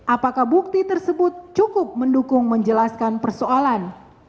apakah bukti tersebut cukup mendukung menjelaskan persoalan